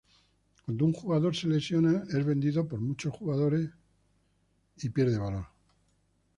Cuando un jugador se lesiona, es vendido por muchos jugadores y pierde valor.